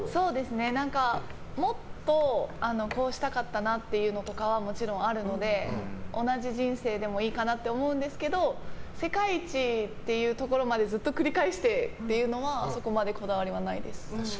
もっとこうしたかったなっていうのとかはもちろんあるので同じ人生でもいいかなって思うんですけど世界一っていうところまでずっと繰り返してっていうのはそこまでこだわりはないです。